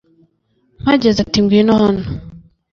Mpageze ati ngwino hano